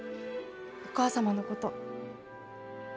お母様のこと。